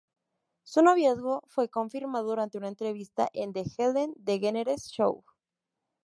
Su noviazgo fue confirmado durante una entrevista en "The Ellen DeGeneres show".